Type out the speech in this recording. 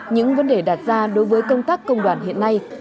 những vấn đề đặt ra đối với công tác công đoàn hiện nay